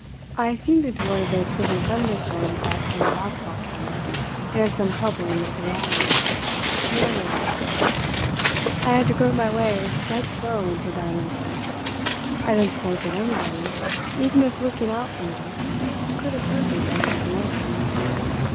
"I steamed into one of those silly thunderstorms that hang about the volcano, and had some trouble in making the island," narrated Davidson. "I had to grope my way dead slow into Diamond Bay. I don't suppose that anybody, even if looking out for me, could have heard me let go the anchor."